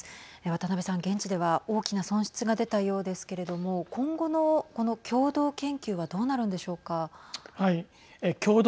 渡辺さん、現地では大きな損失が出たようですけれども今後の、この共同研究はどうなるのでしょうか。